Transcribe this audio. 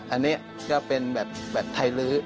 อันนี้ก็เป็นแบบไทยลื้อ